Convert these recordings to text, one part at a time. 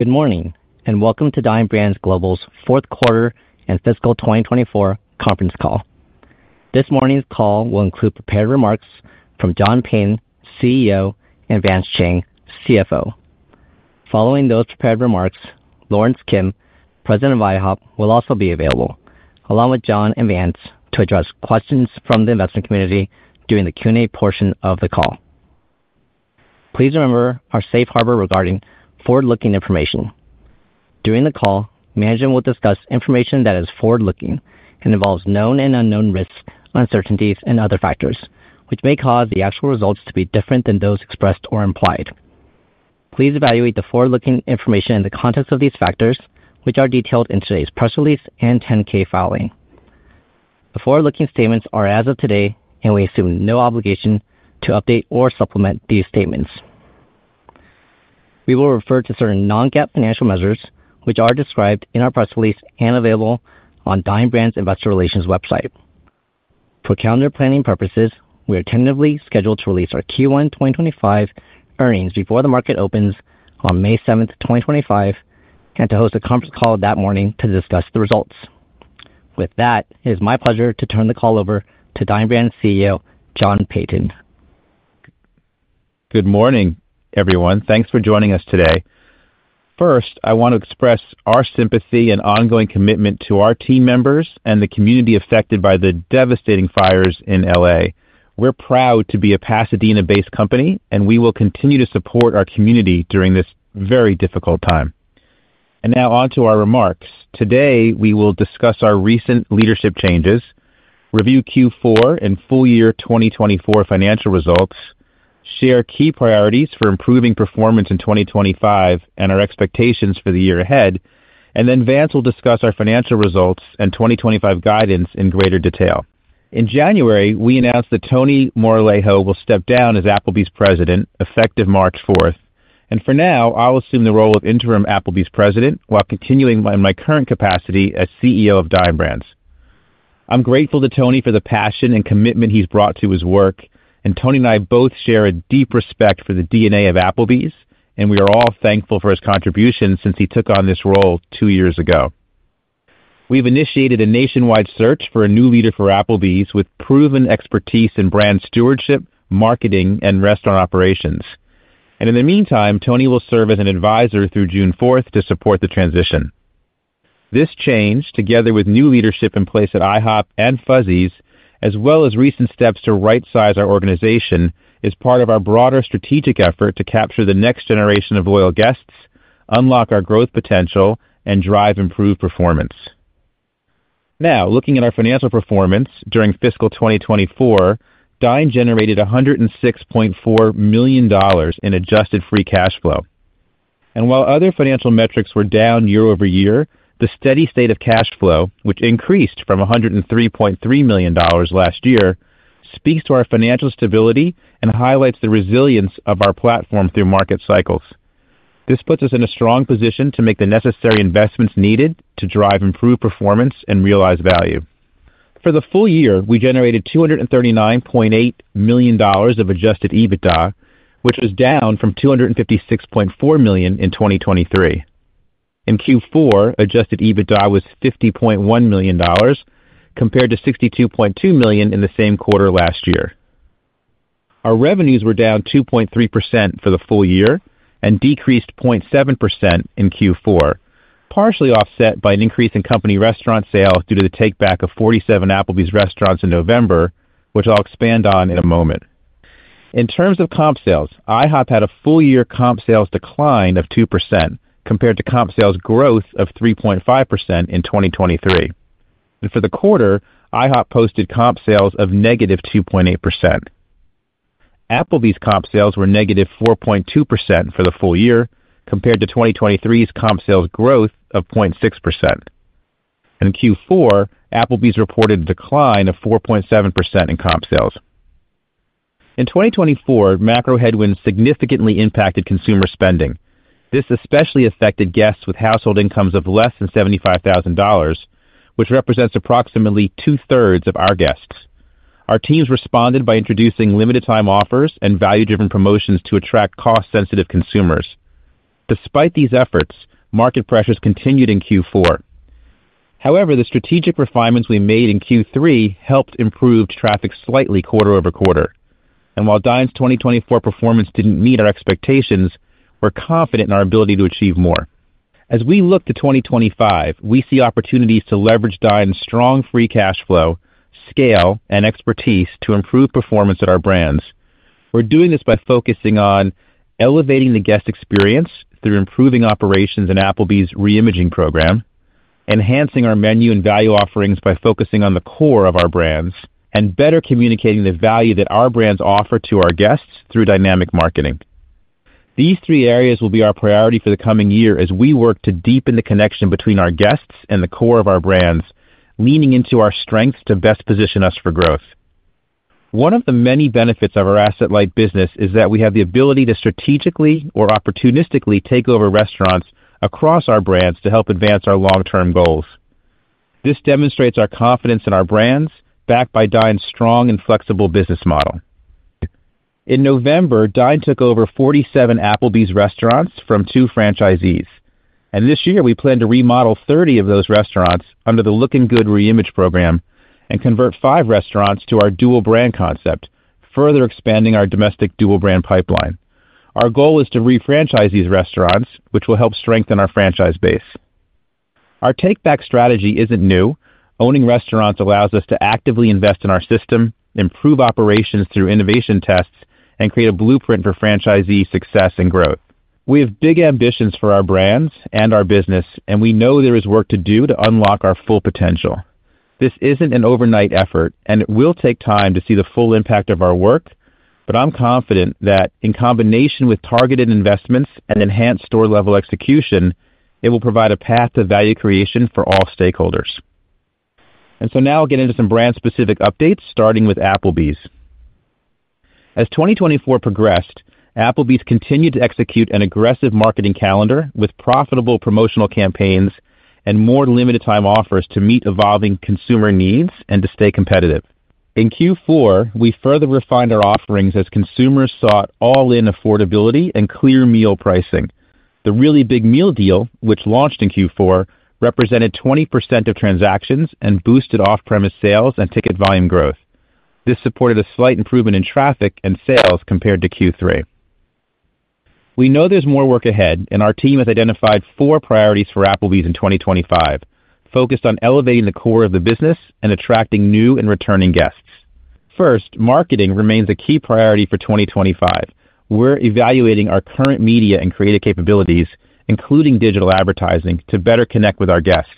Good morning, and welcome to Dine Brands Global's Fourth Quarter and Fiscal 2024 Conference Call. This morning's call will include prepared remarks from John Peyton, CEO, and Vance Chang, CFO. Following those prepared remarks, Lawrence Kim, President of IHOP, will also be available, along with John and Vance, to address questions from the investment community during the Q&A portion of the call. Please remember our safe harbor regarding forward-looking information. During the call, management will discuss information that is forward-looking and involves known and unknown risks, uncertainties, and other factors, which may cause the actual results to be different than those expressed or implied. Please evaluate the forward-looking information in the context of these factors, which are detailed in today's press release and 10-K filing. The forward-looking statements are as of today, and we assume no obligation to update or supplement these statements. We will refer to certain non-GAAP financial measures, which are described in our press release and available on Dine Brands Investor Relations website. For calendar planning purposes, we are tentatively scheduled to release our Q1 2025 earnings before the market opens on May 7, 2025, and to host a conference call that morning to discuss the results. With that, it is my pleasure to turn the call over to Dine Brands CEO, John Peyton. Good morning, everyone. Thanks for joining us today. First, I want to express our sympathy and ongoing commitment to our team members and the community affected by the devastating fires in L.A.. We're proud to be a Pasadena-based company, and we will continue to support our community during this very difficult time. Now on to our remarks. Today, we will discuss our recent leadership changes, review Q4 and full-year 2024 financial results, share key priorities for improving performance in 2025, and our expectations for the year ahead. Vance will discuss our financial results and 2025 guidance in greater detail. In January, we announced that Tony Moralejo will step down as Applebee's President, effective March 4. For now, I'll assume the role of interim Applebee's President while continuing in my current capacity as CEO of Dine Brands Global. I'm grateful to Tony for the passion and commitment he's brought to his work. Tony and I both share a deep respect for the DNA of Applebee's, and we are all thankful for his contributions since he took on this role two years ago. We've initiated a nationwide search for a new leader for Applebee's with proven expertise in brand stewardship, marketing, and restaurant operations. In the meantime, Tony will serve as an advisor through June 4 to support the transition. This change, together with new leadership in place at IHOP and Fuzzy's, as well as recent steps to right-size our organization, is part of our broader strategic effort to capture the next generation of loyal guests, unlock our growth potential, and drive improved performance. Now, looking at our financial performance during fiscal 2024, Dine generated $106.4 million in adjusted free cash flow. While other financial metrics were down year over year, the steady state of cash flow, which increased from $103.3 million last year, speaks to our financial stability and highlights the resilience of our platform through market cycles. This puts us in a strong position to make the necessary investments needed to drive improved performance and realize value. For the full year, we generated $239.8 million of adjusted EBITDA, which was down from $256.4 million in 2023. In Q4, adjusted EBITDA was $50.1 million, compared to $62.2 million in the same quarter last year. Our revenues were down 2.3% for the full year and decreased 0.7% in Q4, partially offset by an increase in company restaurant sales due to the takeback of 47 Applebee's restaurants in November, which I'll expand on in a moment. In terms of comp sales, IHOP had a full-year comp sales decline of 2%, compared to comp sales growth of 3.5% in 2023. For the quarter, IHOP posted comp sales of -2.8%. Applebee's comp sales were -4.2% for the full year, compared to 2023's comp sales growth of 0.6%. In Q4, Applebee's reported a decline of 4.7% in comp sales. In 2024, macro headwinds significantly impacted consumer spending. This especially affected guests with household incomes of less than $75,000, which represents approximately two-thirds of our guests. Our teams responded by introducing limited-time offers and value-driven promotions to attract cost-sensitive consumers. Despite these efforts, market pressures continued in Q4. However, the strategic refinements we made in Q3 helped improve traffic slightly quarter over quarter. While Dine's 2024 performance didn't meet our expectations, we're confident in our ability to achieve more. As we look to 2025, we see opportunities to leverage Dine's strong free cash flow, scale, and expertise to improve performance at our brands. We're doing this by focusing on elevating the guest experience through improving operations in Applebee's reimaging program, enhancing our menu and value offerings by focusing on the core of our brands, and better communicating the value that our brands offer to our guests through dynamic marketing. These three areas will be our priority for the coming year as we work to deepen the connection between our guests and the core of our brands, leaning into our strengths to best position us for growth. One of the many benefits of our asset-light business is that we have the ability to strategically or opportunistically take over restaurants across our brands to help advance our long-term goals. This demonstrates our confidence in our brands, backed by Dine's strong and flexible business model. In November, Dine took over 47 Applebee's restaurants from two franchisees. This year, we plan to remodel 30 of those restaurants under the Looking Good reimage program and convert five restaurants to our dual-brand concept, further expanding our domestic dual-brand pipeline. Our goal is to refranchise these restaurants, which will help strengthen our franchise base. Our takeback strategy isn't new. Owning restaurants allows us to actively invest in our system, improve operations through innovation tests, and create a blueprint for franchisee success and growth. We have big ambitions for our brands and our business, and we know there is work to do to unlock our full potential. This isn't an overnight effort, and it will take time to see the full impact of our work, but I'm confident that in combination with targeted investments and enhanced store-level execution, it will provide a path to value creation for all stakeholders. Now I'll get into some brand-specific updates, starting with Applebee's. As 2024 progressed, Applebee's continued to execute an aggressive marketing calendar with profitable promotional campaigns and more limited-time offers to meet evolving consumer needs and to stay competitive. In Q4, we further refined our offerings as consumers sought all-in affordability and clear meal pricing. The Really Big Meal Deal, which launched in Q4, represented 20% of transactions and boosted off-premise sales and ticket volume growth. This supported a slight improvement in traffic and sales compared to Q3. We know there's more work ahead, and our team has identified four priorities for Applebee's in 2025, focused on elevating the core of the business and attracting new and returning guests. First, marketing remains a key priority for 2025. We're evaluating our current media and creative capabilities, including digital advertising, to better connect with our guests.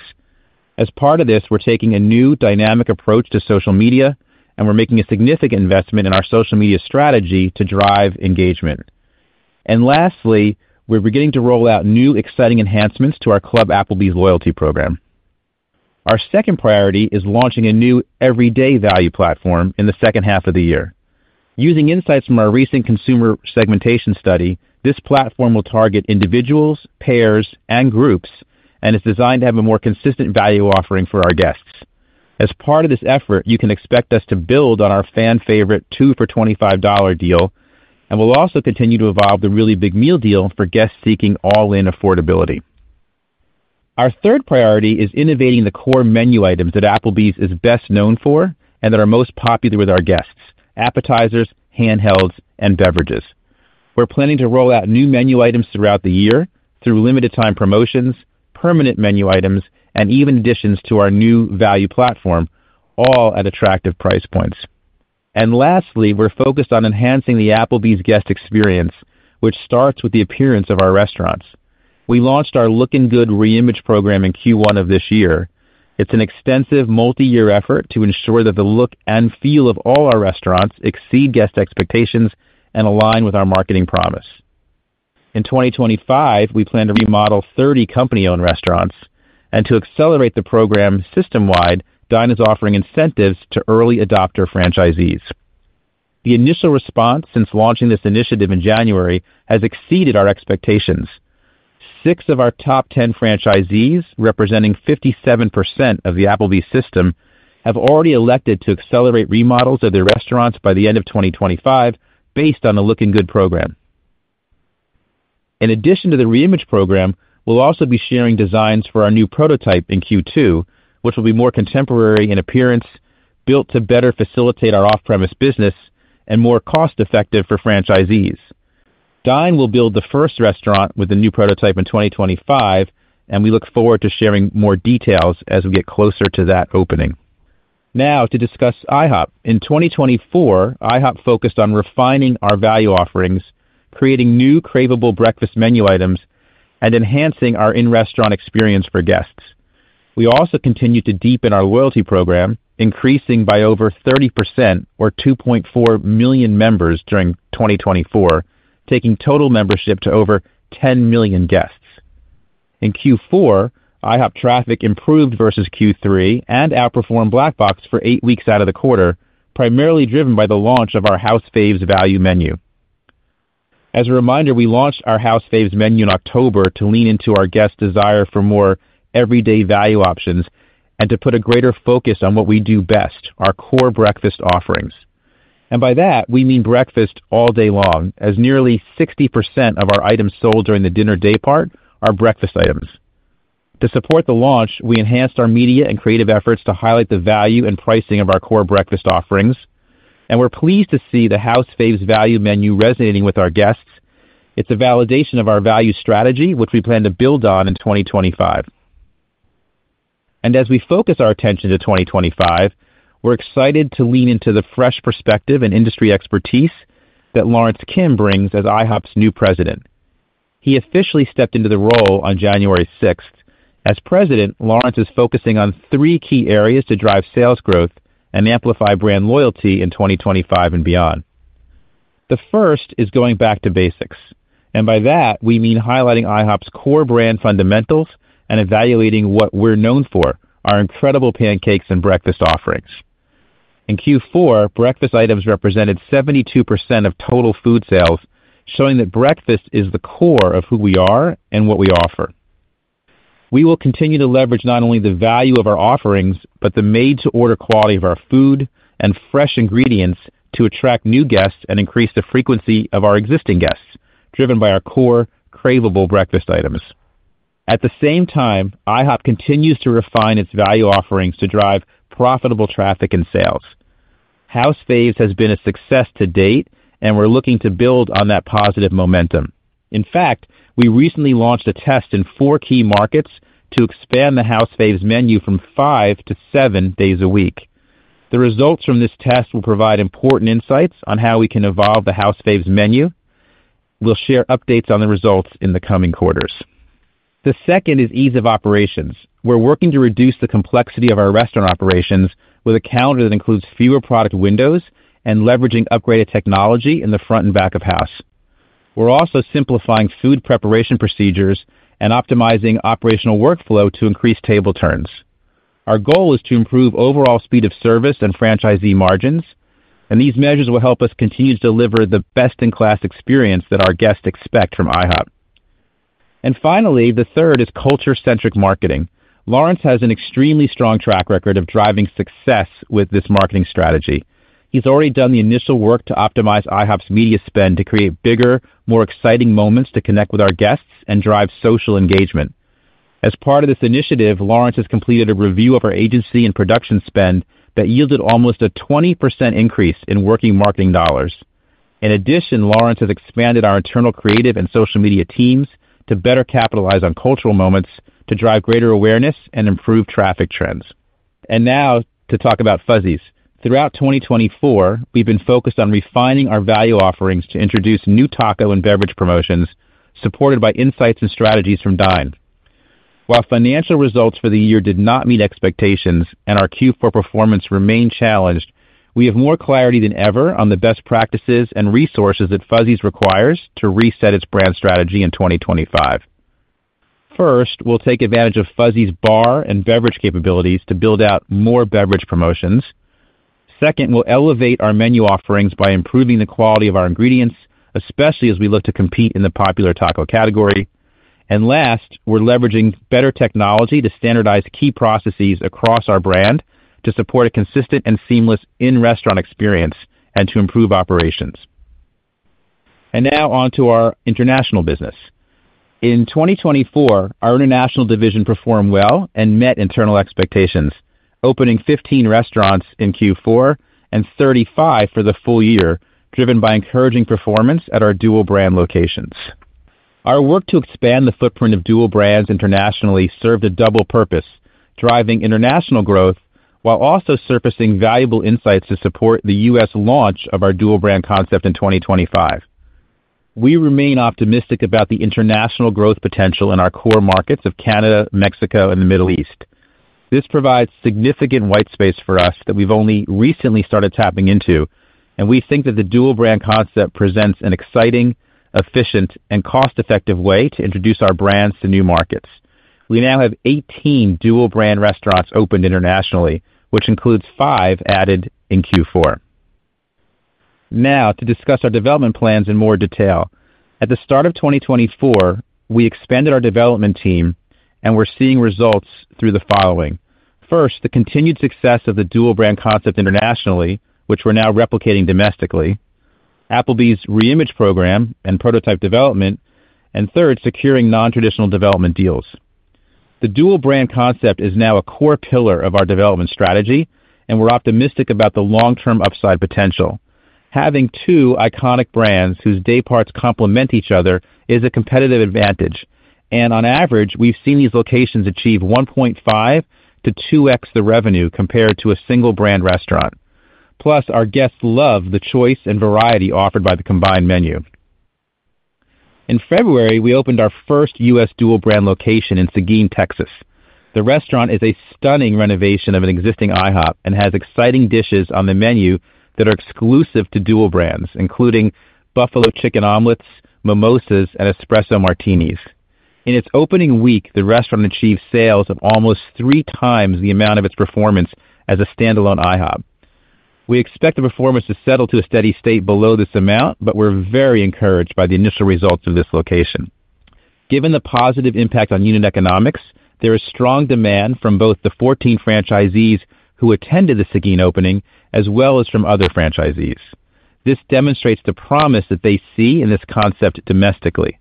As part of this, we're taking a new, dynamic approach to social media, and we're making a significant investment in our social media strategy to drive engagement. Lastly, we're beginning to roll out new, exciting enhancements to our Club Applebee's loyalty program. Our second priority is launching a new everyday value platform in the second half of the year. Using insights from our recent consumer segmentation study, this platform will target individuals, pairs, and groups, and is designed to have a more consistent value offering for our guests. As part of this effort, you can expect us to build on our fan-favorite 2 FOR $25 deal, and we'll also continue to evolve the Really Big Meal Deal for guests seeking all-in affordability. Our third priority is innovating the core menu items that Applebee's is best known for and that are most popular with our guests: appetizers, handhelds, and beverages. We're planning to roll out new menu items throughout the year through limited-time promotions, permanent menu items, and even additions to our new value platform, all at attractive price points. Lastly, we're focused on enhancing the Applebee's guest experience, which starts with the appearance of our restaurants. We launched our Looking Good reimage program in Q1 of this year. It's an extensive multi-year effort to ensure that the look and feel of all our restaurants exceed guest expectations and align with our marketing promise. In 2025, we plan to remodel 30 company-owned restaurants. To accelerate the program system-wide, Dine is offering incentives to early adopter franchisees. The initial response since launching this initiative in January has exceeded our expectations. Six of our top 10 franchisees, representing 57% of the Applebee's system, have already elected to accelerate remodels of their restaurants by the end of 2025 based on the Looking Good program. In addition to the reimage program, we'll also be sharing designs for our new prototype in Q2, which will be more contemporary in appearance, built to better facilitate our off-premise business, and more cost-effective for franchisees. Dine will build the first restaurant with the new prototype in 2025, and we look forward to sharing more details as we get closer to that opening. Now, to discuss IHOP. In 2024, IHOP focused on refining our value offerings, creating new craveable breakfast menu items, and enhancing our in-restaurant experience for guests. We also continued to deepen our loyalty program, increasing by over 30% or 2.4 million members during 2024, taking total membership to over 10 million guests. In Q4, IHOP traffic improved versus Q3 and outperformed Black Box for eight weeks out of the quarter, primarily driven by the launch of our House Faves value menu. As a reminder, we launched our House Faves menu in October to lean into our guests' desire for more everyday value options and to put a greater focus on what we do best, our core breakfast offerings. By that, we mean breakfast all day long, as nearly 60% of our items sold during the dinner day part are breakfast items. To support the launch, we enhanced our media and creative efforts to highlight the value and pricing of our core breakfast offerings. We are pleased to see the House Faves value menu resonating with our guests. It is a validation of our value strategy, which we plan to build on in 2025. As we focus our attention to 2025, we are excited to lean into the fresh perspective and industry expertise that Lawrence Kim brings as IHOP's new President. He officially stepped into the role on January 6th. As President, Lawrence is focusing on three key areas to drive sales growth and amplify brand loyalty in 2025 and beyond. The first is going back to basics. By that, we mean highlighting IHOP's core brand fundamentals and evaluating what we are known for, our incredible pancakes and breakfast offerings. In Q4, breakfast items represented 72% of total food sales, showing that breakfast is the core of who we are and what we offer. We will continue to leverage not only the value of our offerings, but the made-to-order quality of our food and fresh ingredients to attract new guests and increase the frequency of our existing guests, driven by our core craveable breakfast items. At the same time, IHOP continues to refine its value offerings to drive profitable traffic and sales. House Faves has been a success to date, and we're looking to build on that positive momentum. In fact, we recently launched a test in four key markets to expand the House Faves menu from five to seven days a week. The results from this test will provide important insights on how we can evolve the House Faves menu. We'll share updates on the results in the coming quarters. The second is ease of operations. We're working to reduce the complexity of our restaurant operations with a calendar that includes fewer product windows and leveraging upgraded technology in the front and back of house. We're also simplifying food preparation procedures and optimizing operational workflow to increase table turns. Our goal is to improve overall speed of service and franchisee margins, and these measures will help us continue to deliver the best-in-class experience that our guests expect from IHOP. Finally, the third is culture-centric marketing. Lawrence has an extremely strong track record of driving success with this marketing strategy. He's already done the initial work to optimize IHOP's media spend to create bigger, more exciting moments to connect with our guests and drive social engagement. As part of this initiative, Lawrence has completed a review of our agency and production spend that yielded almost a 20% increase in working marketing dollars. In addition, Lawrence has expanded our internal creative and social media teams to better capitalize on cultural moments to drive greater awareness and improve traffic trends. Now to talk about Fuzzy's. Throughout 2024, we've been focused on refining our value offerings to introduce new taco and beverage promotions supported by insights and strategies from Dine. While financial results for the year did not meet expectations and our Q4 performance remained challenged, we have more clarity than ever on the best practices and resources that Fuzzy's requires to reset its brand strategy in 2025. First, we'll take advantage of Fuzzy's bar and beverage capabilities to build out more beverage promotions. Second, we will elevate our menu offerings by improving the quality of our ingredients, especially as we look to compete in the popular taco category. Last, we are leveraging better technology to standardize key processes across our brand to support a consistent and seamless in-restaurant experience and to improve operations. Now on to our international business. In 2024, our international division performed well and met internal expectations, opening 15 restaurants in Q4 and 35 for the full year, driven by encouraging performance at our dual-brand locations. Our work to expand the footprint of dual brands internationally served a double purpose: driving international growth while also surfacing valuable insights to support the U.S. launch of our dual-brand concept in 2025. We remain optimistic about the international growth potential in our core markets of Canada, Mexico, and the Middle East. This provides significant white space for us that we've only recently started tapping into, and we think that the dual-brand concept presents an exciting, efficient, and cost-effective way to introduce our brands to new markets. We now have 18 dual-brand restaurants opened internationally, which includes five added in Q4. Now, to discuss our development plans in more detail. At the start of 2024, we expanded our development team, and we're seeing results through the following. First, the continued success of the dual-brand concept internationally, which we're now replicating domestically, Applebee's reimage program and prototype development, and third, securing non-traditional development deals. The dual-brand concept is now a core pillar of our development strategy, and we're optimistic about the long-term upside potential. Having two iconic brands whose day parts complement each other is a competitive advantage, and on average, we've seen these locations achieve 1.5x-2x the revenue compared to a single-brand restaurant. Plus, our guests love the choice and variety offered by the combined menu. In February, we opened our first U.S. dual-brand location in Seguin, Texas. The restaurant is a stunning renovation of an existing IHOP and has exciting dishes on the menu that are exclusive to dual brands, including Buffalo Chicken Omelets, Mimosas, and Espresso Martinis. In its opening week, the restaurant achieved sales of almost three times the amount of its performance as a standalone IHOP. We expect the performance to settle to a steady state below this amount, but we're very encouraged by the initial results of this location. Given the positive impact on unit economics, there is strong demand from both the 14 franchisees who attended the Seguin opening as well as from other franchisees. This demonstrates the promise that they see in this concept domestically.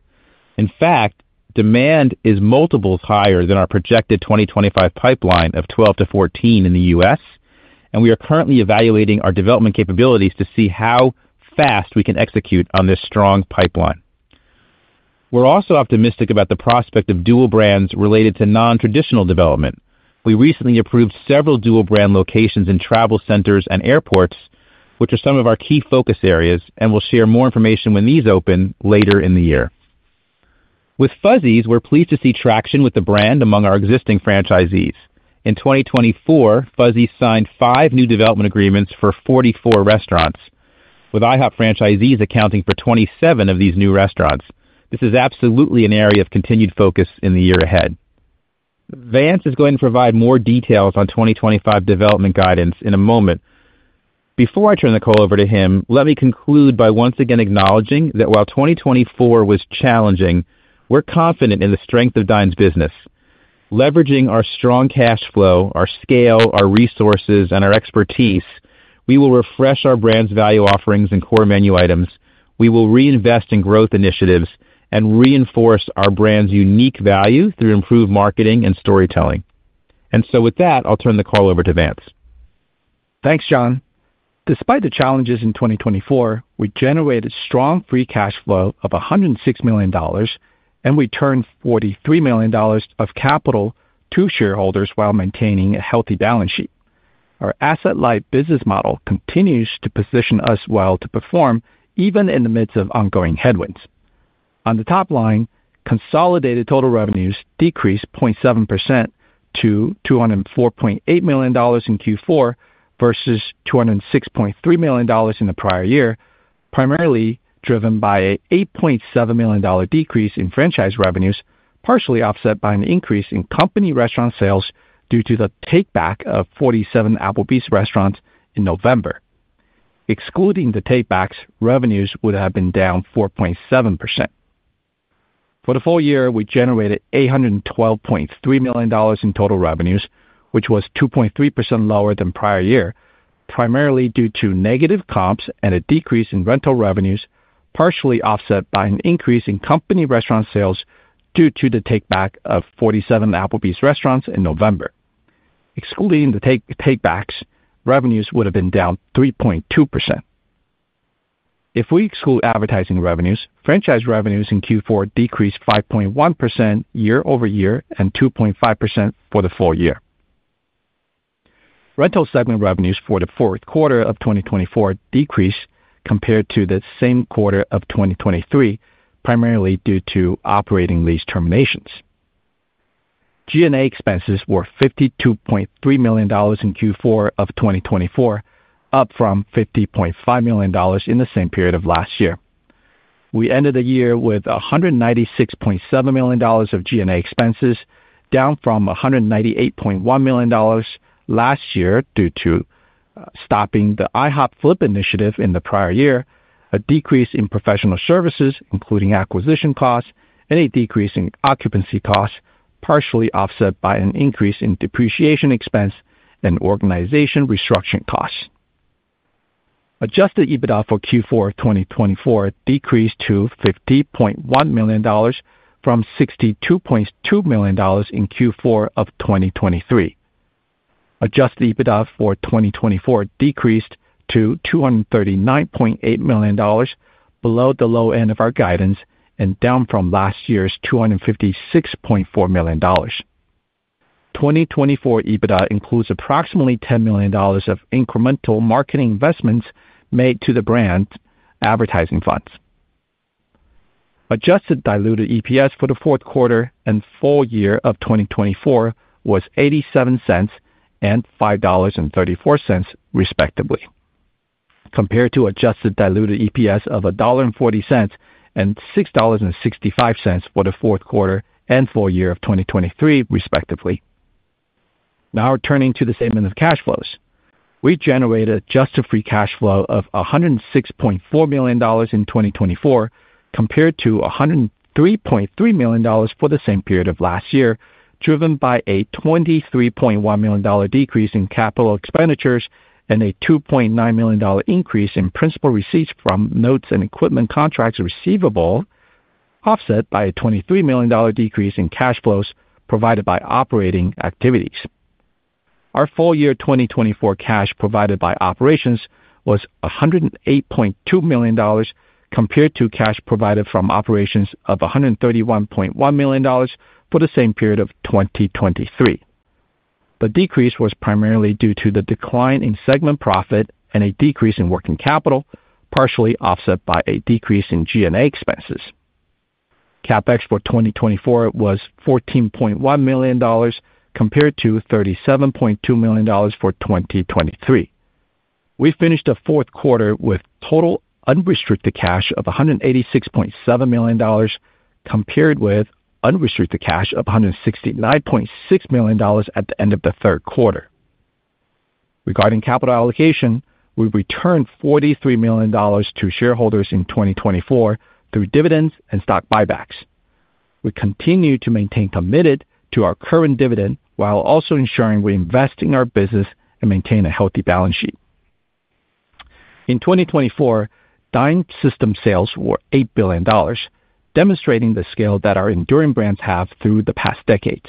In fact, demand is multiples higher than our projected 2025 pipeline of 12-14 in the U.S., and we are currently evaluating our development capabilities to see how fast we can execute on this strong pipeline. We are also optimistic about the prospect of dual brands related to non-traditional development. We recently approved several dual-brand locations in travel centers and airports, which are some of our key focus areas, and we will share more information when these open later in the year. With Fuzzy's, we are pleased to see traction with the brand among our existing franchisees. In 2024, Fuzzy's signed five new development agreements for 44 restaurants, with IHOP franchisees accounting for 27 of these new restaurants. This is absolutely an area of continued focus in the year ahead. Vance is going to provide more details on 2025 development guidance in a moment. Before I turn the call over to him, let me conclude by once again acknowledging that while 2024 was challenging, we're confident in the strength of Dine's business. Leveraging our strong cash flow, our scale, our resources, and our expertise, we will refresh our brands' value offerings and core menu items. We will reinvest in growth initiatives and reinforce our brands' unique value through improved marketing and storytelling. I'll turn the call over to Vance. Thanks, John. Despite the challenges in 2024, we generated strong free cash flow of $106 million, and we returned $43 million of capital to shareholders while maintaining a healthy balance sheet. Our asset-light business model continues to position us well to perform even in the midst of ongoing headwinds. On the top line, consolidated total revenues decreased 0.7% to $204.8 million in Q4 versus $206.3 million in the prior year, primarily driven by an $8.7 million decrease in franchise revenues, partially offset by an increase in company restaurant sales due to the takeback of 47 Applebee's restaurants in November. Excluding the takebacks, revenues would have been down 4.7%. For the full year, we generated $812.3 million in total revenues, which was 2.3% lower than prior year, primarily due to negative comps and a decrease in rental revenues, partially offset by an increase in company restaurant sales due to the takeback of 47 Applebee's restaurants in November. Excluding the takebacks, revenues would have been down 3.2%. If we exclude advertising revenues, franchise revenues in Q4 decreased 5.1% year over year and 2.5% for the full year. Rental segment revenues for the fourth quarter of 2024 decreased compared to the same quarter of 2023, primarily due to operating lease terminations. G&A expenses were $52.3 million in Q4 of 2024, up from $50.5 million in the same period of last year. We ended the year with $196.7 million of G&A expenses, down from $198.1 million last year due to stopping the IHOP flip initiative in the prior year. A decrease in professional services, including acquisition costs, and a decrease in occupancy costs, partially offset by an increase in depreciation expense and organization restructuring costs. Adjusted EBITDA for Q4 2024 decreased to $50.1 million from $62.2 million in Q4 of 2023. Adjusted EBITDA for 2024 decreased to $239.8 million, below the low end of our guidance and down from last year's $256.4 million. 2024 EBITDA includes approximately $10 million of incremental marketing investments made to the brand advertising funds. Adjusted diluted EPS for the fourth quarter and full year of 2024 was $0.87 and $5.34, respectively, compared to adjusted diluted EPS of $1.40 and $6.65 for the fourth quarter and full year of 2023, respectively. Now turning to the statement of cash flows, we generated adjusted free cash flow of $106.4 million in 2024, compared to $103.3 million for the same period of last year, driven by a $23.1 million decrease in capital expenditures and a $2.9 million increase in principal receipts from notes and equipment contracts receivable, offset by a $23 million decrease in cash flows provided by operating activities. Our full year 2024 cash provided by operations was $108.2 million, compared to cash provided from operations of $131.1 million for the same period of 2023. The decrease was primarily due to the decline in segment profit and a decrease in working capital, partially offset by a decrease in G&A expenses. CapEx for 2024 was $14.1 million, compared to $37.2 million for 2023. We finished the fourth quarter with total unrestricted cash of $186.7 million, compared with unrestricted cash of $169.6 million at the end of the third quarter. Regarding capital allocation, we returned $43 million to shareholders in 2024 through dividends and stock buybacks. We continue to maintain committed to our current dividend while also ensuring we invest in our business and maintain a healthy balance sheet. In 2024, Dine system sales were $8 billion, demonstrating the scale that our enduring brands have through the past decade.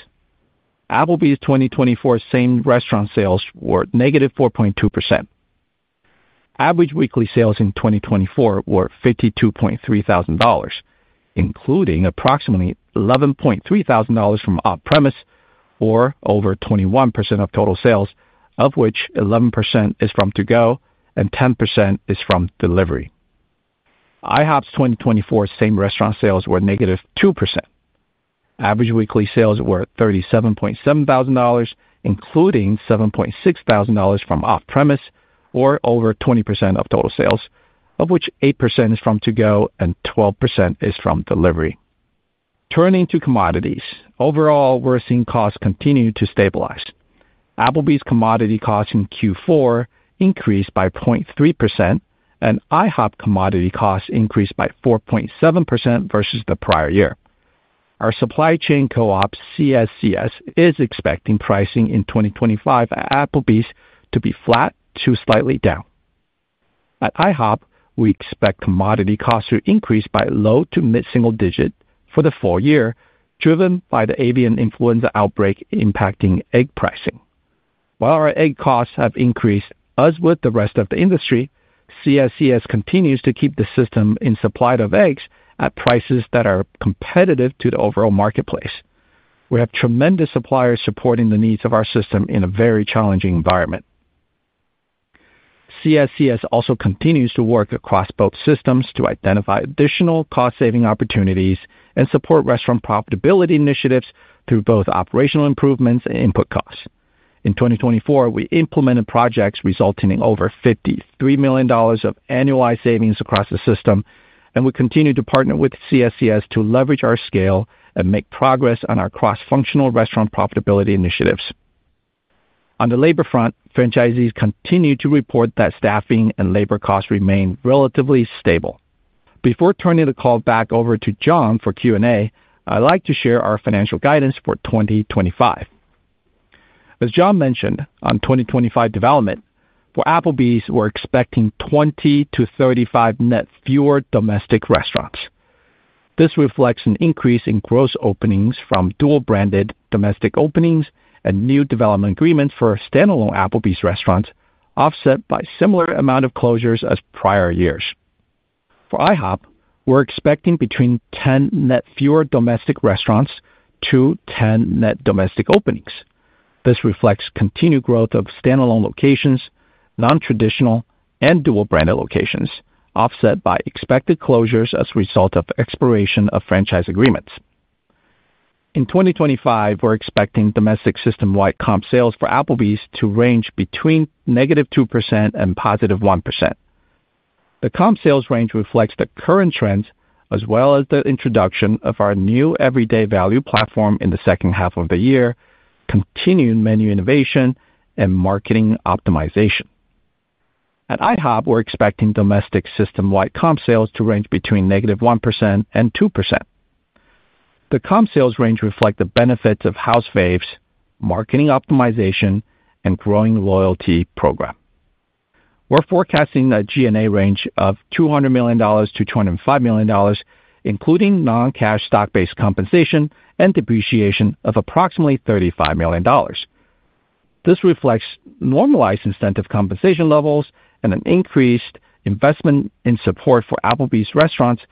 Applebee's 2024 same restaurant sales were -4.2%. Average weekly sales in 2024 were $52.3 thousand, including approximately $11.3 thousand from on-premise or over 21% of total sales, of which 11% is from to-go and 10% is from delivery. IHOP's 2024 same restaurant sales were -2%. Average weekly sales were $37,700, including $7,600 from off-premise or over 20% of total sales, of which 8% is from to-go and 12% is from delivery. Turning to commodities, overall, we're seeing costs continue to stabilize. Applebee's commodity costs in Q4 increased by 0.3%, and IHOP commodity costs increased by 4.7% versus the prior year. Our supply chain co-op, CSCS, is expecting pricing in 2025 at Applebee's to be flat to slightly down. At IHOP, we expect commodity costs to increase by low to mid-single digit for the full year, driven by the avian influenza outbreak impacting egg pricing. While our egg costs have increased as with the rest of the industry, CSCS continues to keep the system in supply of eggs at prices that are competitive to the overall marketplace. We have tremendous suppliers supporting the needs of our system in a very challenging environment. CSCS also continues to work across both systems to identify additional cost-saving opportunities and support restaurant profitability initiatives through both operational improvements and input costs. In 2024, we implemented projects resulting in over $53 million of annualized savings across the system, and we continue to partner with CSCS to leverage our scale and make progress on our cross-functional restaurant profitability initiatives. On the labor front, franchisees continue to report that staffing and labor costs remain relatively stable. Before turning the call back over to John for Q&A, I'd like to share our financial guidance for 2025. As John mentioned on 2025 development, for Applebee's, we're expecting 20-35 net fewer domestic restaurants. This reflects an increase in gross openings from dual-branded domestic openings and new development agreements for standalone Applebee's restaurants, offset by a similar amount of closures as prior years. For IHOP, we're expecting between 10 net fewer domestic restaurants to 10 net domestic openings. This reflects continued growth of standalone locations, non-traditional, and dual-branded locations, offset by expected closures as a result of expiration of franchise agreements. In 2025, we're expecting domestic system-wide comp sales for Applebee's to range between -2% and +1%. The comp sales range reflects the current trends, as well as the introduction of our new everyday value platform in the second half of the year, continued menu innovation, and marketing optimization. At IHOP, we're expecting domestic system-wide comp sales to range between -1% and 2%. The comp sales range reflects the benefits of House Faves, marketing optimization, and growing loyalty program. We're forecasting a G&A range of $200 million-$205 million, including non-cash stock-based compensation and depreciation of approximately $35 million. This reflects normalized incentive compensation levels and an increased investment in support for Applebee's restaurants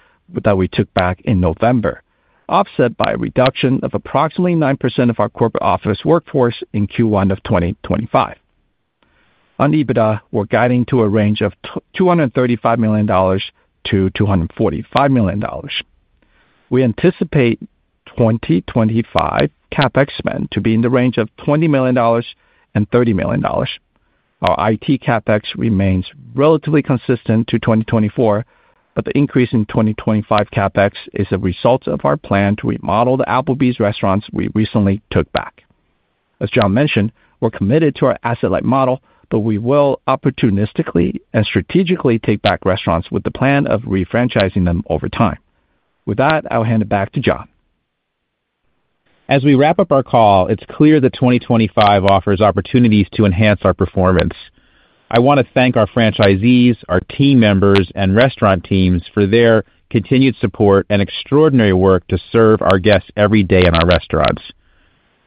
that we took back in November, offset by a reduction of approximately 9% of our corporate office workforce in Q1 of 2025. On EBITDA, we're guiding to a range of $235 million-$245 million. We anticipate 2025 CapEx spend to be in the range of $20 million-$30 million. Our IT CapEx remains relatively consistent to 2024, but the increase in 2025 CapEx is a result of our plan to remodel the Applebee's restaurants we recently took back. As John mentioned, we're committed to our asset-light model, but we will opportunistically and strategically take back restaurants with the plan of refranchising them over time. With that, I'll hand it back to John. As we wrap up our call, it's clear that 2025 offers opportunities to enhance our performance. I want to thank our franchisees, our team members, and restaurant teams for their continued support and extraordinary work to serve our guests every day in our restaurants.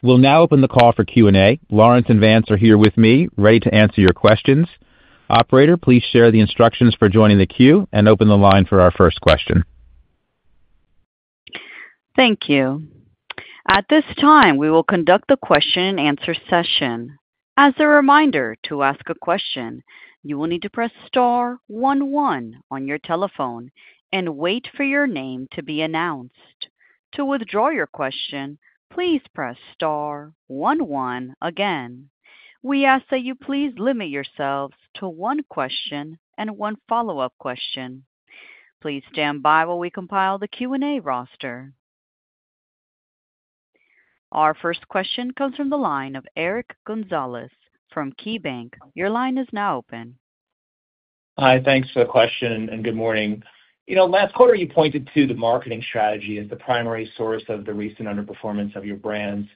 We'll now open the call for Q&A. Lawrence and Vance are here with me, ready to answer your questions. Operator, please share the instructions for joining the queue and open the line for our first question. Thank you. At this time, we will conduct the question-and-answer session. As a reminder, to ask a question, you will need to press star one one on your telephone and wait for your name to be announced. To withdraw your question, please press star one one again. We ask that you please limit yourselves to one question and one follow-up question. Please stand by while we compile the Q&A roster. Our first question comes from the line of Eric Gonzalez from KeyBanc. Your line is now open. Hi, thanks for the question and good morning. Last quarter, you pointed to the marketing strategy as the primary source of the recent underperformance of your brands.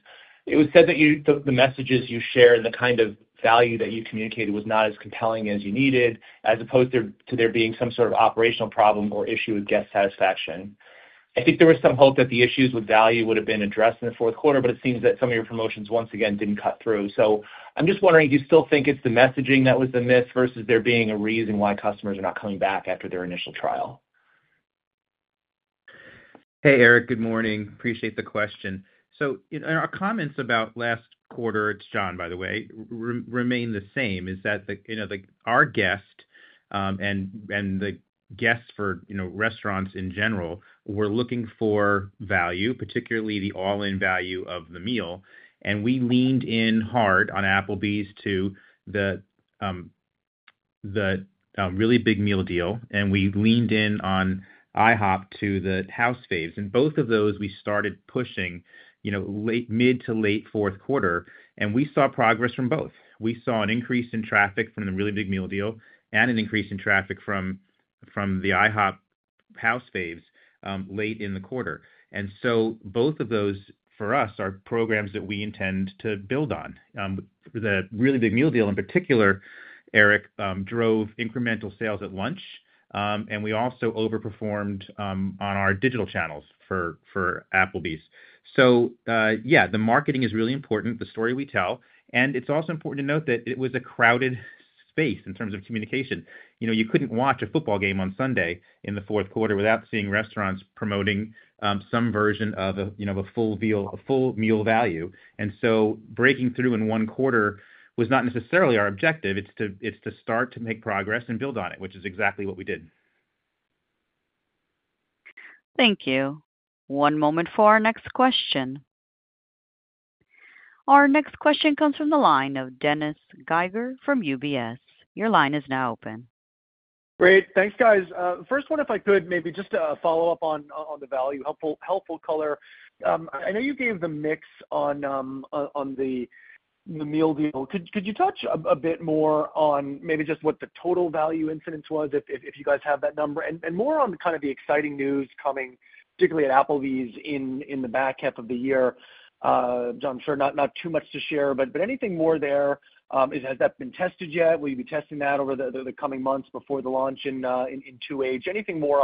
It was said that the messages you shared and the kind of value that you communicated was not as compelling as you needed, as opposed to there being some sort of operational problem or issue with guest satisfaction. I think there was some hope that the issues with value would have been addressed in the fourth quarter, but it seems that some of your promotions, once again, didn't cut through. I'm just wondering, do you still think it's the messaging that was the myth versus there being a reason why customers are not coming back after their initial trial? Hey, Eric, good morning. Appreciate the question. Our comments about last quarter, it's John, by the way, remain the same. Is that our guest and the guests for restaurants in general were looking for value, particularly the all-in value of the meal. We leaned in hard on Applebee's to the Really Big Meal Deal, and we leaned in on IHOP to the House Faves. Both of those, we started pushing mid to late fourth quarter, and we saw progress from both. We saw an increase in traffic from the Really Big Meal Deal and an increase in traffic from the IHOP House Faves late in the quarter. Both of those, for us, are programs that we intend to build on. The Really Big Meal Deal, in particular, Eric, drove incremental sales at lunch, and we also overperformed on our digital channels for Applebee's. The marketing is really important, the story we tell. It is also important to note that it was a crowded space in terms of communication. You could not watch a football game on Sunday in the fourth quarter without seeing restaurants promoting some version of a full meal value. Breaking through in one quarter was not necessarily our objective. It is to start to make progress and build on it, which is exactly what we did. Thank you. One moment for our next question. Our next question comes from the line of Dennis Geiger from UBS. Your line is now open. Great. Thanks, guys. First one, if I could, maybe just a follow-up on the value, helpful color. I know you gave the mix on the meal deal. Could you touch a bit more on maybe just what the total value incidence was, if you guys have that number, and more on kind of the exciting news coming, particularly at Applebee's in the back half of the year? John, sure, not too much to share, but anything more there? Has that been tested yet? Will you be testing that over the coming months before the launch in two weeks? Anything more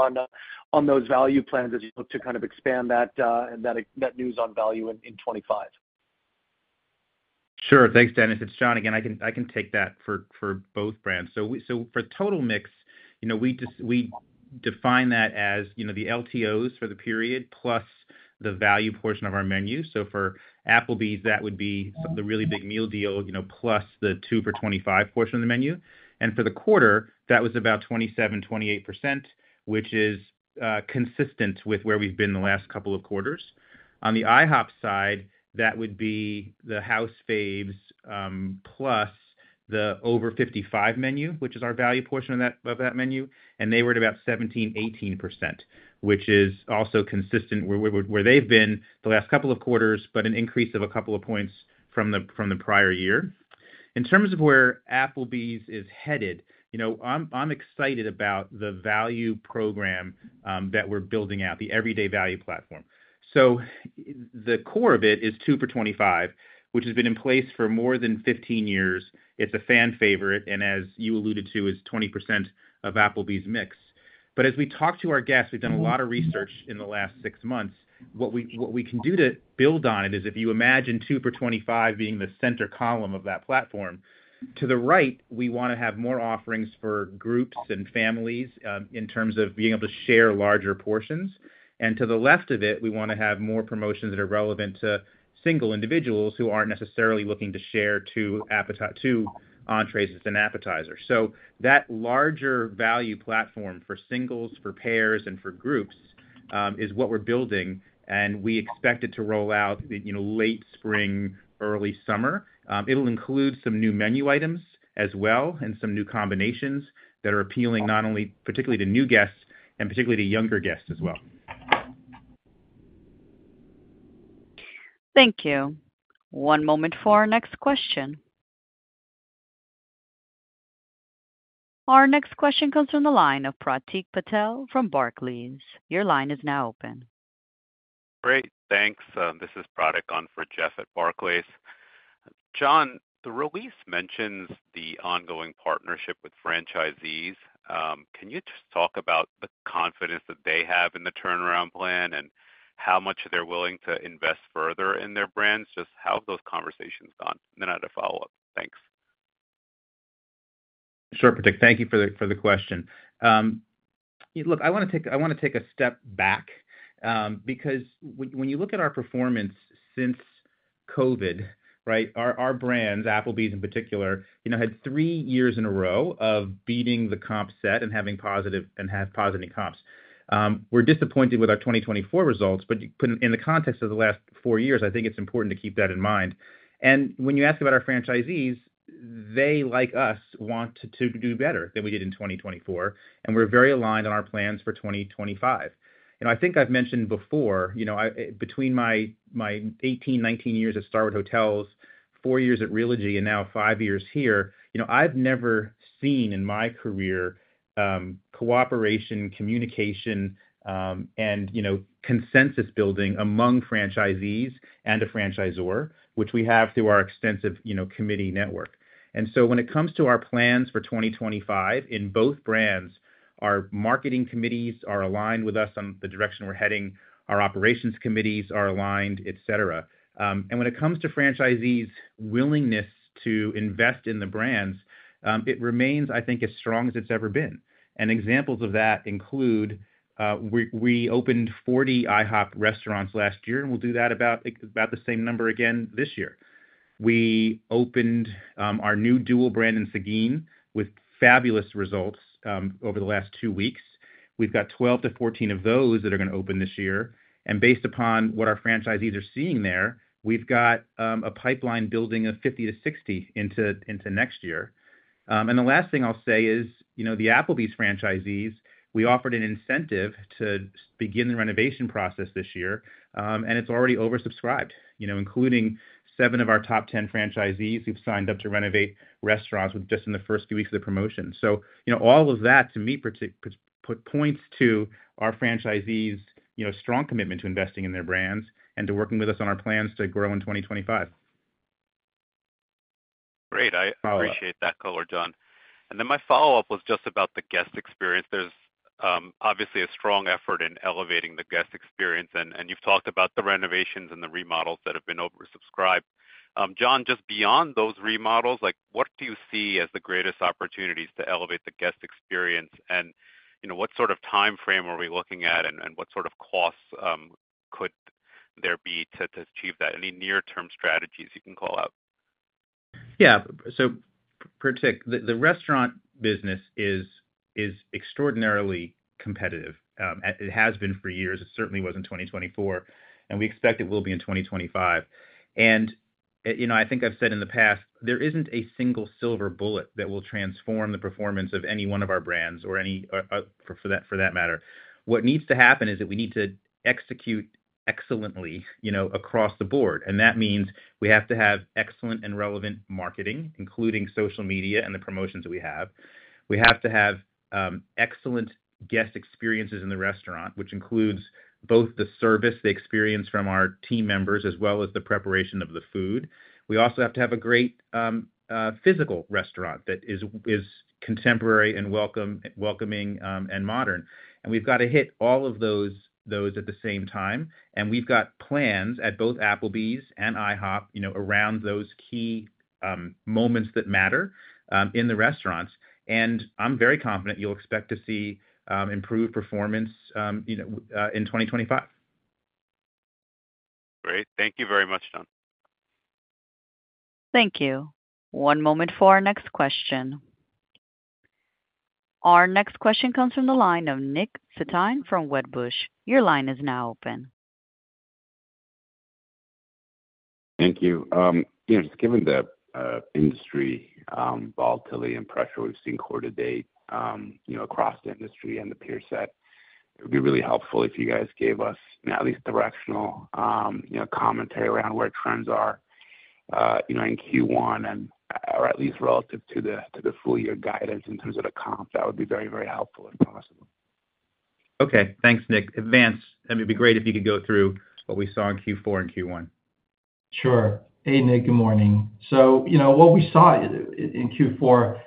on those value plans as you look to kind of expand that news on value in 2025? Sure. Thanks, Dennis. It's John again. I can take that for both brands. For total mix, we define that as the LTOs for the period plus the value portion of our menu. For Applebee's, that would be the Really Big Meal Deal plus the 2 FOR $25 portion of the menu. For the quarter, that was about 27-28%, which is consistent with where we've been the last couple of quarters. On the IHOP side, that would be the House Faves plus the 55+ Menu, which is our value portion of that menu, and they were at about 17-18%, which is also consistent where they've been the last couple of quarters, but an increase of a couple of points from the prior year. In terms of where Applebee's is headed, I'm excited about the value program that we're building out, the everyday value platform. The core of it is 2 FOR $25, which has been in place for more than 15 years. It's a fan favorite, and as you alluded to, it's 20% of Applebee's mix. As we talk to our guests, we've done a lot of research in the last six months. What we can do to build on it is if you imagine 2 FOR $25 being the center column of that platform. To the right, we want to have more offerings for groups and families in terms of being able to share larger portions. To the left of it, we want to have more promotions that are relevant to single individuals who aren't necessarily looking to share two entrées and an appetizer. That larger value platform for singles, for pairs, and for groups is what we're building, and we expect it to roll out late spring, early summer. It'll include some new menu items as well and some new combinations that are appealing not only particularly to new guests and particularly to younger guests as well. Thank you. One moment for our next question. Our next question comes from the line of Pratik Patel from Barclays. Your line is now open. Great. Thanks. This is Pratik on for Jeff at Barclays. John, the release mentions the ongoing partnership with franchisees. Can you just talk about the confidence that they have in the turnaround plan and how much they're willing to invest further in their brands? Just how have those conversations gone? I had a follow-up. Thanks. Sure, Pratik. Thank you for the question. Look, I want to take a step back because when you look at our performance since COVID, right, our brands, Applebee's in particular, had three years in a row of beating the comp set and having positive and have positive comps. We're disappointed with our 2024 results, but in the context of the last four years, I think it's important to keep that in mind. When you ask about our franchisees, they, like us, want to do better than we did in 2024, and we're very aligned on our plans for 2025. I think I've mentioned before, between my 18, 19 years at Starwood Hotels, four years at Realogy, and now five years here, I've never seen in my career cooperation, communication, and consensus building among franchisees and a franchisor, which we have through our extensive committee network. When it comes to our plans for 2025, in both brands, our marketing committees are aligned with us on the direction we're heading, our operations committees are aligned, etc. When it comes to franchisees' willingness to invest in the brands, it remains, I think, as strong as it's ever been. Examples of that include we opened 40 IHOP restaurants last year, and we'll do about the same number again this year. We opened our new dual brand in Seguin with fabulous results over the last two weeks. We've got 12-14 of those that are going to open this year. Based upon what our franchisees are seeing there, we've got a pipeline building of 50-60 into next year. The last thing I'll say is the Applebee's franchisees, we offered an incentive to begin the renovation process this year, and it's already oversubscribed, including seven of our top 10 franchisees who've signed up to renovate restaurants just in the first few weeks of the promotion. All of that, to me, points to our franchisees' strong commitment to investing in their brands and to working with us on our plans to grow in 2025. Great. I appreciate that, caller, John. And then my follow-up was just about the guest experience. There's obviously a strong effort in elevating the guest experience, and you've talked about the renovations and the remodels that have been oversubscribed. John, just beyond those remodels, what do you see as the greatest opportunities to elevate the guest experience, and what sort of timeframe are we looking at, and what sort of costs could there be to achieve that? Any near-term strategies you can call out? Yeah. Pratik, the restaurant business is extraordinarily competitive. It has been for years. It certainly was in 2024, and we expect it will be in 2025. I think I've said in the past, there isn't a single silver bullet that will transform the performance of any one of our brands or any for that matter. What needs to happen is that we need to execute excellently across the board. That means we have to have excellent and relevant marketing, including social media and the promotions that we have. We have to have excellent guest experiences in the restaurant, which includes both the service they experience from our team members as well as the preparation of the food. We also have to have a great physical restaurant that is contemporary and welcoming and modern. We have to hit all of those at the same time. We have plans at both Applebee's and IHOP around those key moments that matter in the restaurants. I'm very confident you'll expect to see improved performance in 2025. Great. Thank you very much, John. Thank you. One moment for our next question. Our next question comes from the line of Nick Setyan from Wedbush. Your line is now open. Thank you. Just given the industry volatility and pressure we've seen quarter to date across the industry and the peer set, it would be really helpful if you guys gave us at least directional commentary around where trends are in Q1 and/or at least relative to the full year guidance in terms of the comp. That would be very, very helpful if possible. Okay. Thanks, Nick. Advance. It'd be great if you could go through what we saw in Q4 and Q1. Sure. Hey, Nick, good morning. What we saw in Q4 for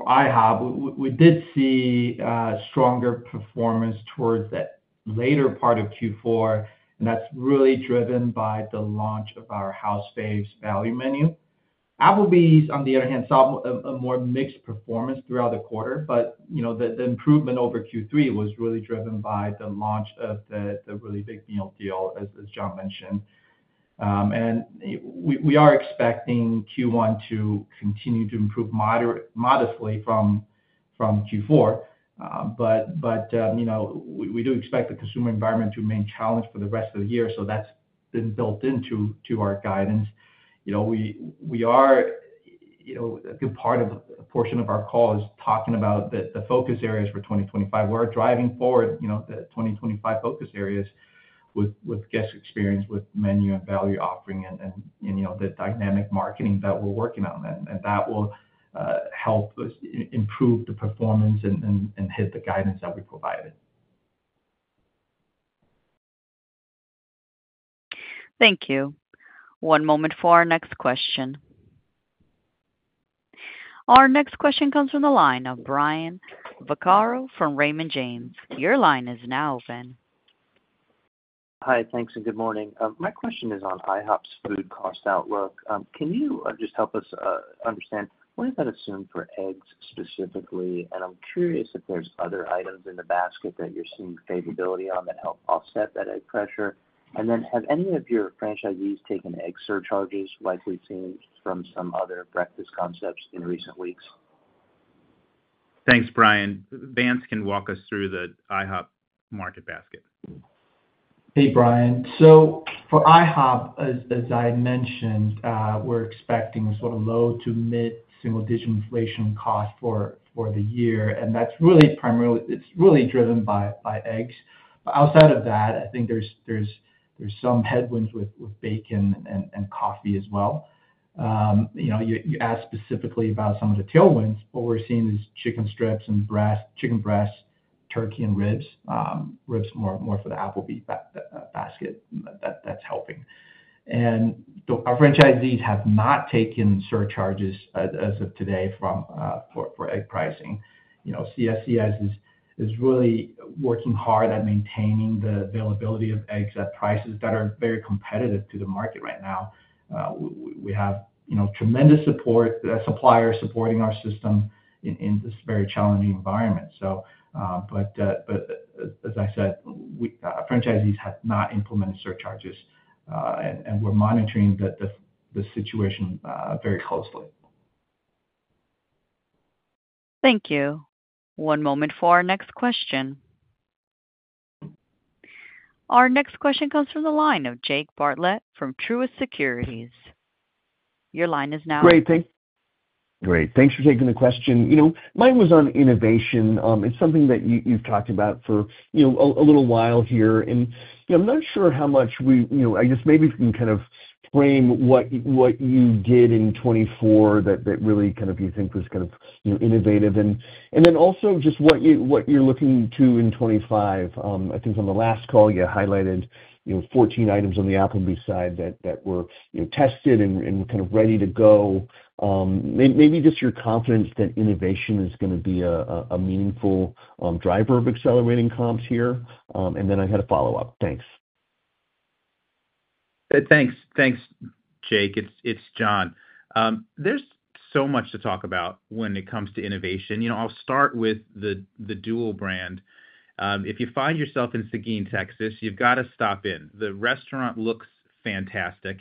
IHOP, we did see stronger performance towards that later part of Q4, and that's really driven by the launch of our House Faves value menu. Applebee's, on the other hand, saw a more mixed performance throughout the quarter, but the improvement over Q3 was really driven by the launch of the Really Big Meal Deal, as John mentioned. We are expecting Q1 to continue to improve modestly from Q4, but we do expect the consumer environment to remain challenged for the rest of the year. That has been built into our guidance. A good part of our call is talking about the focus areas for 2025. We are driving forward the 2025 focus areas with guest experience, with menu and value offering, and the dynamic marketing that we are working on. That will help us improve the performance and hit the guidance that we provided. Thank you. One moment for our next question. Our next question comes from the line of Brian Vaccaro from Raymond James. Your line is now open. Hi, thanks, and good morning. My question is on IHOP's food cost outlook. Can you just help us understand what does that assume for eggs specifically? I'm curious if there's other items in the basket that you're seeing favorability on that help offset that egg pressure. Have any of your franchisees taken egg surcharges like we've seen from some other breakfast concepts in recent weeks? Thanks, Brian. Vance can walk us through the IHOP market basket. Hey, Brian. For IHOP, as I mentioned, we're expecting sort of low to mid single-digit inflation cost for the year. That's really driven by eggs. Outside of that, I think there's some headwinds with bacon and coffee as well. You asked specifically about some of the tailwinds. What we're seeing is chicken strips and chicken breasts, turkey, and ribs, ribs more for the Applebee's basket. That's helping. Our franchisees have not taken surcharges as of today for egg pricing. CSCS is really working hard at maintaining the availability of eggs at prices that are very competitive to the market right now. We have tremendous support, suppliers supporting our system in this very challenging environment. As I said, franchisees have not implemented surcharges, and we're monitoring the situation very closely. Thank you. One moment for our next question. Our next question comes from the line of Jake Bartlett from Truist Securities. Your line is now. Great. Thanks. Great. Thanks for taking the question. Mine was on innovation. It's something that you've talked about for a little while here. I'm not sure how much we, I guess maybe you can kind of frame what you did in 2024 that really kind of you think was kind of innovative. Also, just what you're looking to in 2025. I think on the last call, you highlighted 14 items on the Applebee's side that were tested and kind of ready to go. Maybe just your confidence that innovation is going to be a meaningful driver of accelerating comps here. I had a follow-up. Thanks. Thanks. Thanks, Jake. It's John. There's so much to talk about when it comes to innovation. I'll start with the dual brand. If you find yourself in Seguin, Texas, you've got to stop in. The restaurant looks fantastic.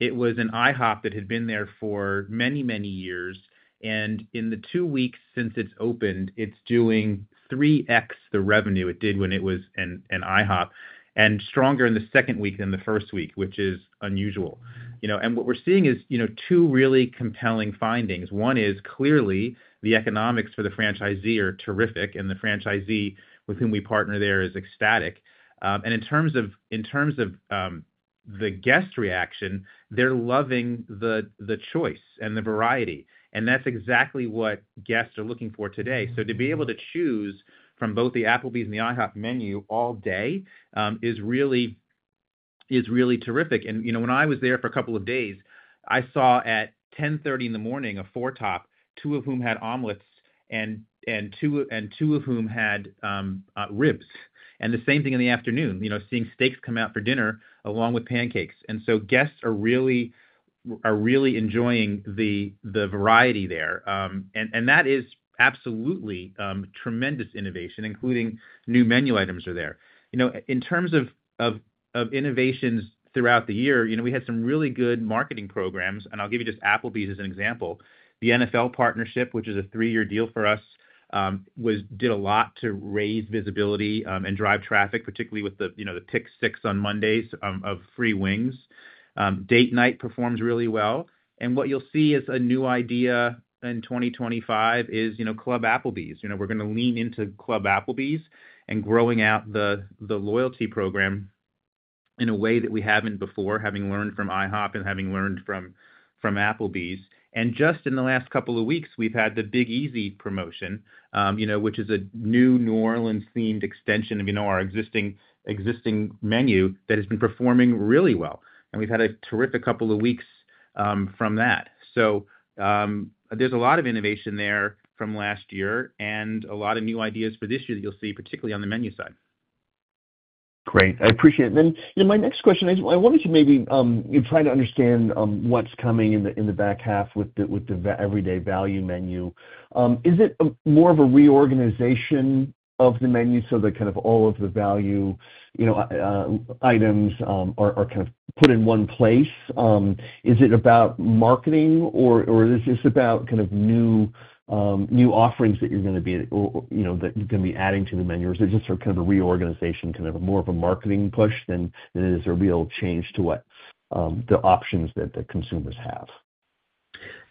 It was an IHOP that had been there for many, many years. In the two weeks since it has opened, it is doing 3x the revenue it did when it was an IHOP and stronger in the second week than the first week, which is unusual. What we are seeing is two really compelling findings. One is clearly the economics for the franchisee are terrific, and the franchisee with whom we partner there is ecstatic. In terms of the guest reaction, they are loving the choice and the variety. That is exactly what guests are looking for today. To be able to choose from both the Applebee's and the IHOP menu all day is really terrific. When I was there for a couple of days, I saw at 10:30 A.M. a four-top, two of whom had omelets and two of whom had ribs. The same thing in the afternoon, seeing steaks come out for dinner along with pancakes. Guests are really enjoying the variety there. That is absolutely tremendous innovation, including new menu items are there. In terms of innovations throughout the year, we had some really good marketing programs. I'll give you just Applebee's as an example. The NFL partnership, which is a three-year deal for us, did a lot to raise visibility and drive traffic, particularly with the pick six on Mondays of free wings. Date Night performs really well. What you'll see as a new idea in 2025 is Club Applebee's. We're going to lean into Club Applebee's and growing out the loyalty program in a way that we haven't before, having learned from IHOP and having learned from Applebee's. In just the last couple of weeks, we've had the Big Easy promotion, which is a new New Orleans-themed extension of our existing menu that has been performing really well. We've had a terrific couple of weeks from that. There is a lot of innovation there from last year and a lot of new ideas for this year that you'll see, particularly on the menu side. Great. I appreciate it. My next question is I wanted to maybe try to understand what's coming in the back half with the everyday value menu. Is it more of a reorganization of the menu so that kind of all of the value items are kind of put in one place? Is it about marketing, or is this about kind of new offerings that you're going to be adding to the menu? Or is it just sort of kind of a reorganization, kind of more of a marketing push than it is a real change to what the options that the consumers have?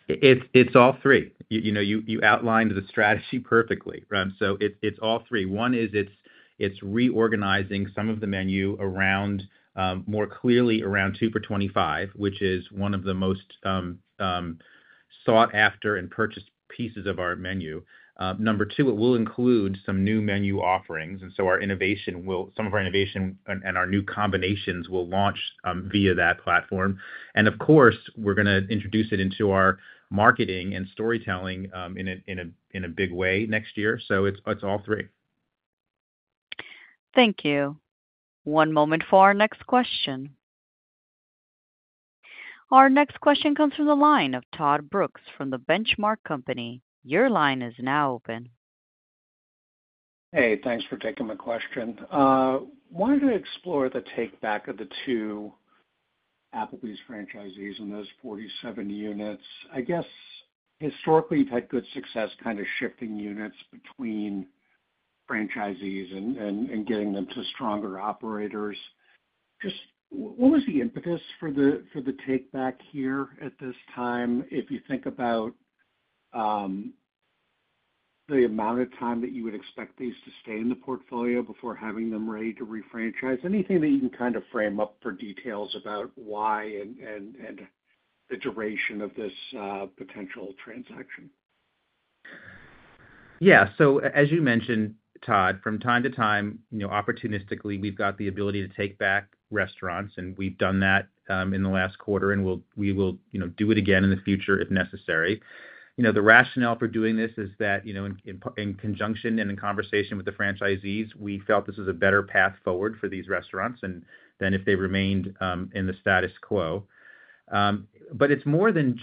It's all three. You outlined the strategy perfectly. It's all three. One is it's reorganizing some of the menu more clearly around $2 FOR $25, which is one of the most sought-after and purchased pieces of our menu. Number two, it will include some new menu offerings. Some of our innovation and our new combinations will launch via that platform. Of course, we're going to introduce it into our marketing and storytelling in a big way next year. It's all three. Thank you. One moment for our next question. Our next question comes from the line of Todd Brooks from The Benchmark Company. Your line is now open. Hey, thanks for taking my question. I wanted to explore the take back of the two Applebee's franchisees and those 47 units. I guess historically, you've had good success kind of shifting units between franchisees and getting them to stronger operators. Just what was the impetus for the take back here at this time? If you think about the amount of time that you would expect these to stay in the portfolio before having them ready to refranchise, anything that you can kind of frame up for details about why and the duration of this potential transaction? Yeah. As you mentioned, Todd, from time to time, opportunistically, we've got the ability to take back restaurants, and we've done that in the last quarter, and we will do it again in the future if necessary. The rationale for doing this is that in conjunction and in conversation with the franchisees, we felt this is a better path forward for these restaurants than if they remained in the status quo. There are really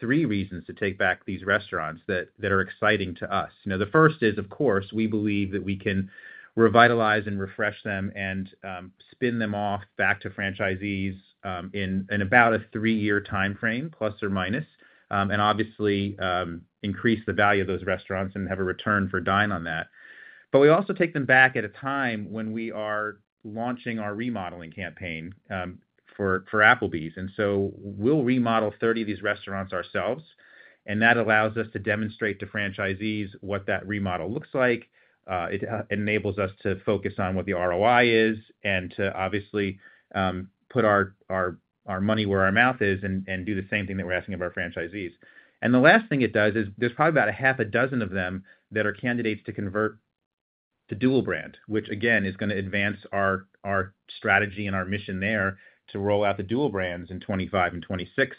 three reasons to take back these restaurants that are exciting to us. The first is, of course, we believe that we can revitalize and refresh them and spin them off back to franchisees in about a three-year timeframe, plus or minus, and obviously increase the value of those restaurants and have a return for Dine on that. We also take them back at a time when we are launching our remodeling campaign for Applebee's. We will remodel 30 of these restaurants ourselves, and that allows us to demonstrate to franchisees what that remodel looks like. It enables us to focus on what the ROI is and to obviously put our money where our mouth is and do the same thing that we're asking of our franchisees. The last thing it does is there's probably about half a dozen of them that are candidates to convert to dual brand, which again is going to advance our strategy and our mission there to roll out the dual brands in 2025 and 2026.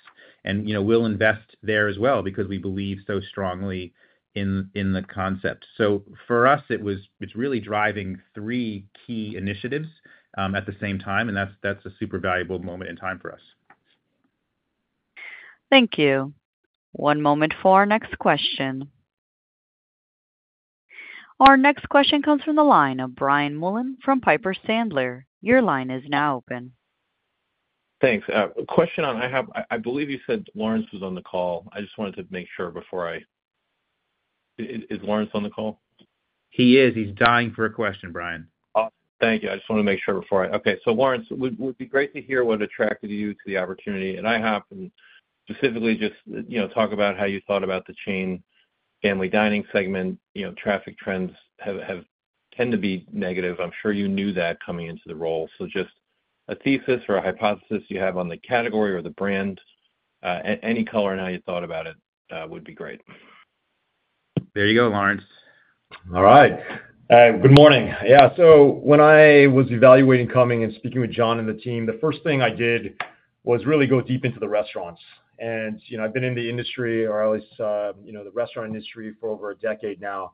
We'll invest there as well because we believe so strongly in the concept. For us, it's really driving three key initiatives at the same time, and that's a super valuable moment in time for us. Thank you. One moment for our next question. Our next question comes from the line of Brian Mullan from Piper Sandler. Your line is now open. Thanks. Question on I believe you said Lawrence was on the call. I just wanted to make sure before I—is Lawrence on the call? He is. He's dying for a question, Brian. Awesome. Thank you. I just want to make sure before I—okay. So Lawrence, it would be great to hear what attracted you to the opportunity. And IHOP and specifically just to talk about how you thought about the chain family dining segment. Traffic trends tend to be negative. I'm sure you knew that coming into the role. Just a thesis or a hypothesis you have on the category or the brand, any color on how you thought about it would be great. There you go, Lawrence. All right. Good morning. Yeah. When I was evaluating coming and speaking with John and the team, the first thing I did was really go deep into the restaurants. I've been in the industry, or at least the restaurant industry, for over a decade now.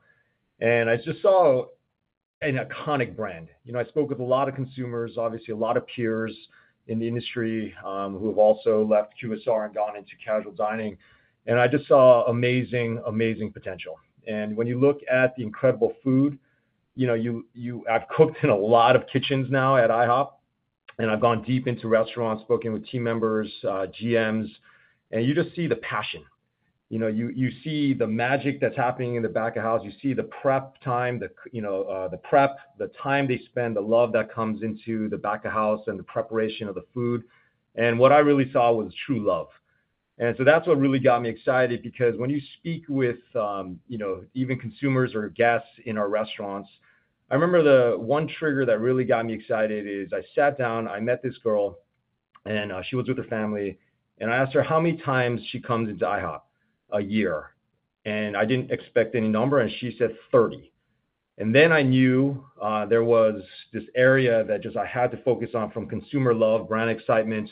I just saw an iconic brand. I spoke with a lot of consumers, obviously a lot of peers in the industry who have also left QSR and gone into casual dining. I just saw amazing, amazing potential. When you look at the incredible food, I've cooked in a lot of kitchens now at IHOP, and I've gone deep into restaurants, spoken with team members, GMs, and you just see the passion. You see the magic that's happening in the back of house. You see the prep time, the prep, the time they spend, the love that comes into the back of house and the preparation of the food. What I really saw was true love. That's what really got me excited because when you speak with even consumers or guests in our restaurants, I remember the one trigger that really got me excited is I sat down, I met this girl, and she was with her family, and I asked her how many times she comes into IHOP a year. I didn't expect any number, and she said 30. I knew there was this area that I had to focus on from consumer love, brand excitement,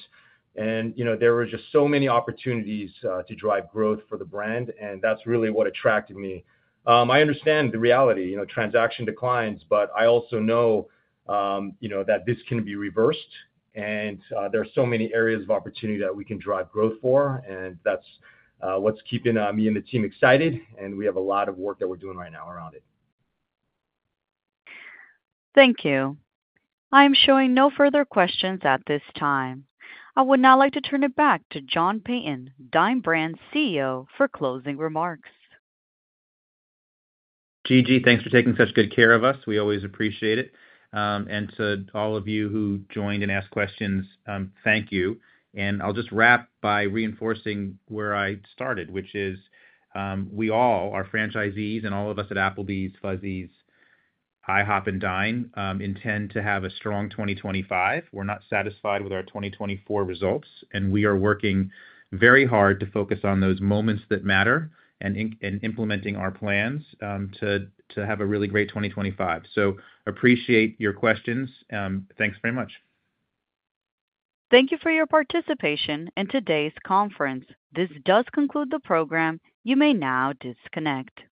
and there were just so many opportunities to drive growth for the brand. That's really what attracted me. I understand the reality. Transaction declines, but I also know that this can be reversed. There are so many areas of opportunity that we can drive growth for. That's what's keeping me and the team excited. We have a lot of work that we're doing right now around it. Thank you. I'm showing no further questions at this time. I would now like to turn it back to John Peyton, Dine Brands CEO, for closing remarks. GG. Thanks for taking such good care of us. We always appreciate it. To all of you who joined and asked questions, thank you. I'll just wrap by reinforcing where I started, which is we all, our franchisees and all of us at Applebee's, Fuzzy's, IHOP, and Dine intend to have a strong 2025. We're not satisfied with our 2024 results, and we are working very hard to focus on those moments that matter and implementing our plans to have a really great 2025. Appreciate your questions. Thanks very much. Thank you for your participation in today's conference. This does conclude the program. You may now disconnect.